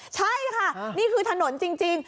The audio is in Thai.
ใช่ค่ะนี่คือถนนจริง